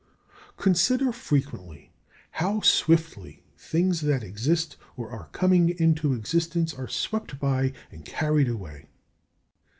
23. Consider frequently how swiftly things that exist or are coming into existence are swept by and carried away.